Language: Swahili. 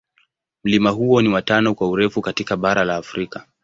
Mlima huo ni wa tano kwa urefu katika bara la Afrika.